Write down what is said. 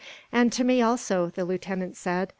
"And to me also," the lieutenant said.